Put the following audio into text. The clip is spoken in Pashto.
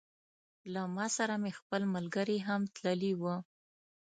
له ما سره مې خپل ملګري هم تللي وه.